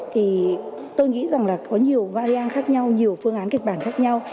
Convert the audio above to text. thì tôi nghĩ rằng là có nhiều valiang khác nhau nhiều phương án kịch bản khác nhau